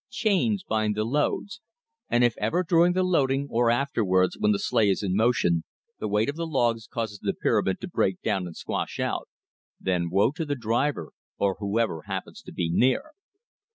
Chains bind the loads. And if ever, during the loading, or afterwards when the sleigh is in motion, the weight of the logs causes the pyramid to break down and squash out; then woe to the driver, or whoever happens to be near!